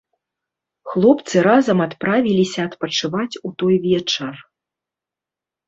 Хлопцы разам адправіліся адпачываць у той вечар.